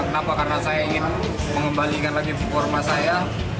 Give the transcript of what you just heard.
kenapa karena saya ingin mengembalikan lagi performa saya